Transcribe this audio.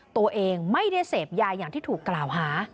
ตัวเองไม่ได้เสพยาอย่างที่ถูกกล่าวหา